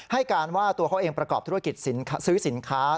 ให้การว่าตัวเขาเองประกอบธุรกิจซื้อสินค้า